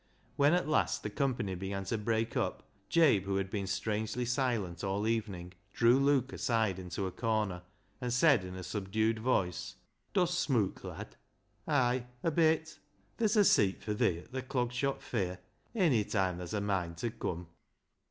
When at last the company began to break up, Jabe, who had been strangely silent all evening, drew Luke aside into a corner, and said in a subdued voice —" Dost smook, lad ?"" Ay ! A bit." " Ther's a seeat fur thi at th' Clog Shop feire ony toime tha's a moind ta come."